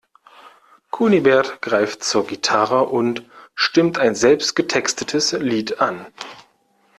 Kunibert greift zur Gitarre und stimmt ein selbst getextetes Lied an.